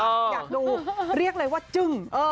อยากดูเรียกเลยว่าจึ้ง